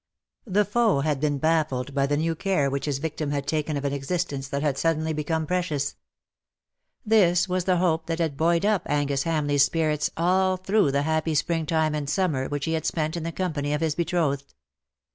The foe had been baffled by the new care which his victim had taken of an existence that had suddenly become precious. This was the hope that had buoyed up Angus Hamleigh^s spirits all through the happy spring time and summer which he had spent in the company of his betrothed.